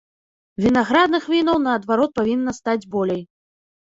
Вінаградных вінаў наадварот павінна стаць болей.